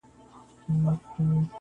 ستا په څېر غوندي سړي خدمت کومه -